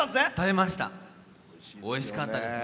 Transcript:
おいしかったです。